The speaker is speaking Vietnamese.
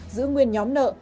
giữ nguyên nhóm nợ